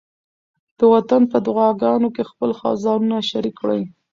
د وطن په دعاګانو کې خپل ځانونه شریک کړئ.